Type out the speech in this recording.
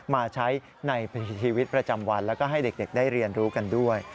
มาใช้ในชีวิตประจำวันแล้วก็ให้เด็กได้เรียนรู้กันด้วย